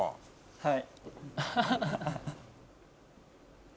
はい。